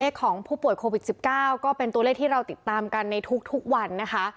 ของผู้ป่วยโควิด๑๙ก็เป็นตัวเลขที่เราติดตามกันในทุกวันนะคะ